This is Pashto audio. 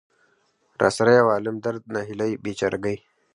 را سره يو عالم درد، ناهيلۍ ،بېچاره ګۍ.